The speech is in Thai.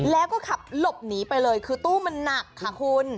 แล้วก็ขับหลบหนีไปเลยคือตู้มันหนักค่ะคุณ